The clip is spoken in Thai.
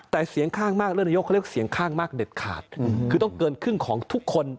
แต่เสียงข้างมากเรื่องนายกเขาเรียกเสียงข้างมากเด็ดขาดคือต้องเกินครึ่งของทุกคน